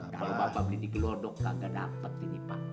kalau bapak beli di gelodok gak dapet ini pak